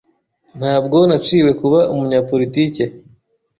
Ntabwo naciwe kuba umunyapolitiki.